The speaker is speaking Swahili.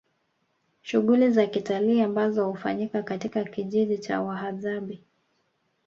Shughuli za kitalii ambazo hufanyika katika kijiji cha Wahadzabe